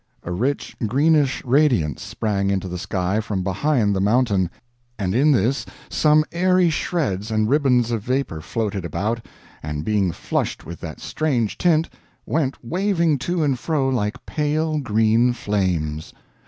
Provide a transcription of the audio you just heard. A rich greenish radiance sprang into the sky from behind the mountain, and in this some airy shreds and ribbons of vapor floated about, and being flushed with that strange tint, went waving to and fro like pale green flames.